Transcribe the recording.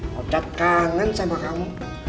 wocat kangen sama kamu